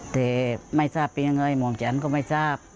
แต่ไม่ทราบเป็นอย่างไรมองจันทร์ก็ไม่ทราบ